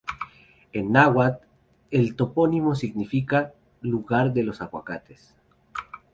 En náhuatl, el topónimo significa "Lugar de los aguacates".